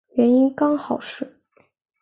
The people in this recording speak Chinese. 原因刚好是